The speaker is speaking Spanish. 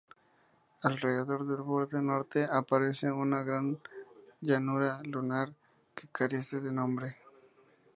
Alrededor del borde norte aparece una gran llanura lunar que carece de nombre.